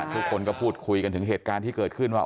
ทุกคนก็พูดคุยกันถึงเหตุการณ์ที่เกิดขึ้นว่า